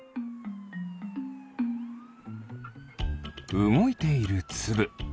うごいているつぶ。